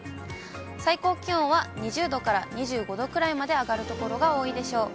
最高気温は２０度から２５度くらいまで上がる所が多いでしょう。